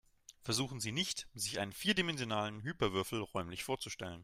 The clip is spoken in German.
Versuchen Sie nicht, sich einen vierdimensionalen Hyperwürfel räumlich vorzustellen.